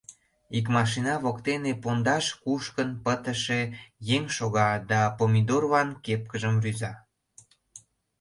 Ик машина воктене пондаш кушкын пытыше еҥ шога да Помидорлан кепкыжым рӱза.